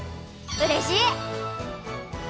うれしい！